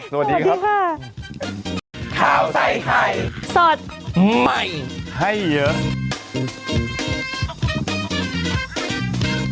สวัสดีครับ